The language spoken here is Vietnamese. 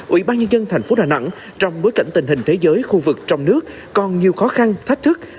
ubnd tp đà nẵng trong bối cảnh tình hình thế giới khu vực trong nước còn nhiều khó khăn thách thức